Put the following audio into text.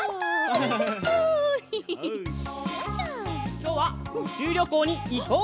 きょうはうちゅうりょこうにいこう！